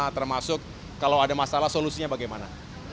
termasuk kalau ada masalah solusinya bagaimana